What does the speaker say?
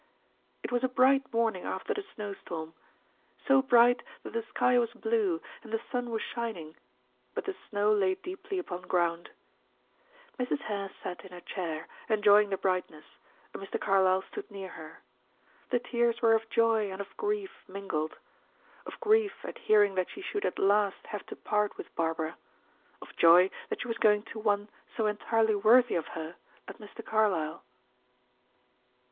It was a bright morning after the snowstorm, so bright that the sky was blue, and the sun was shining, but the snow lay deeply upon ground. Mrs. Hare sat in her chair, enjoying the brightness, and Mr. Carlyle stood near her. The tears were of joy and of grief mingled of grief at hearing that she should at last have to part with Barbara, of joy that she was going to one so entirely worthy of her as Mr. Carlyle.